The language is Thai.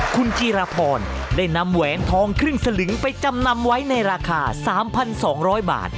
คุณจีรพรได้นำแหวนทองครึ่งสลึงไปจำนำไว้ในราคา๓๒๐๐บาท